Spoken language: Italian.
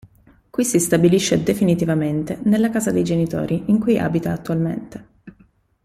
Qui si stabilisce definitivamente, nella casa dei genitori, in cui abita attualmente.